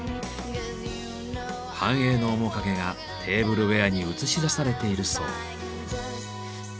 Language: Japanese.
繁栄の面影がテーブルウエアに映し出されているそう。